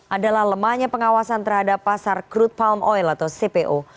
adalah lemahnya pengawasan terhadap pasar crude palm oil atau cpo